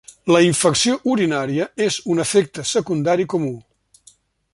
La infecció urinària és un efecte secundari comú.